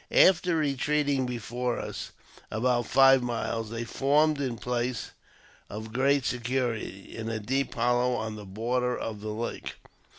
After retreating before us about five miles, they formed in a place of great security, in a deep hollow on the border of the lake.